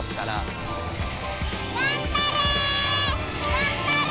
がんばれ！